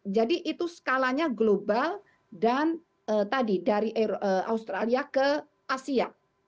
jadi itu skalanya global dan tadi dari australia ke asia